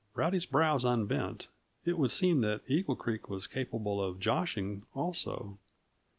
Rowdy's brows unbent; it would seem that Eagle Creek was capable of "joshing" also.